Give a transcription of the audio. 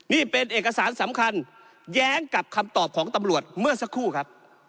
นี่เป็นเอกสารสำคัญแย้งกับคำตอบของตำรวจเมื่อสักครู่ครับ